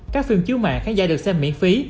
các phim chiếu mạng khán giả được xem miễn phí